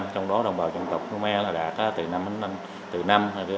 trong đó đồng bào dân tộc nome đạt từ năm đến năm năm